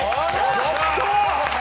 やった！